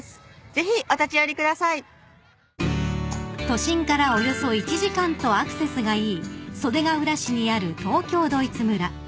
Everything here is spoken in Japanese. ［都心からおよそ１時間とアクセスがいい袖ケ浦市にある東京ドイツ村］